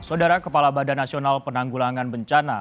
saudara kepala badan nasional penanggulangan bencana